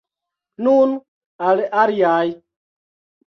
Nun al aliaj!